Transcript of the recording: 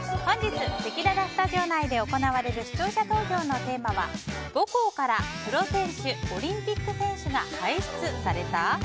せきららスタジオ内で行われる視聴者投票のテーマは母校からプロ選手・オリンピック選手が輩出された？